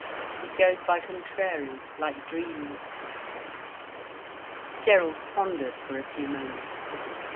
It goes by contraries, like dreams." Gerald pondered for a few moments.